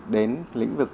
đến lĩnh vực